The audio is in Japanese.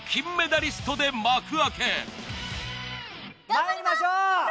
まいりましょう！